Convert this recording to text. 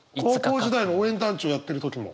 高校時代の応援団長をやってる時も？